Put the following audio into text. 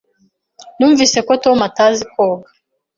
Numvise ko Tom atazi koga.